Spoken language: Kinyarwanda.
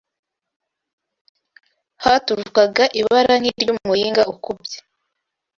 haturukaga ibara nk’iry’umuringa ukubye